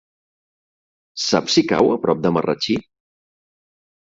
Saps si cau a prop de Marratxí?